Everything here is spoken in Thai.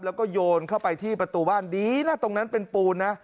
แล้วก็โยนเข้าไปที่ประตูบ้านดีนะตรงนั้นเป็นปูนนะ